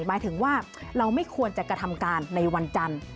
หมายถึงว่าเราไม่ควรจะกระทำการในวันจันทร์